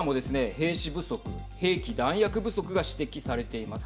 兵士不足、兵器・弾薬不足が指摘されています。